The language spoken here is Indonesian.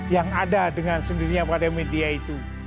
yang ada dengan sendirinya pada media itu